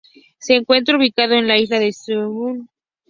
Se encuentra ubicado en la isla de Usedom.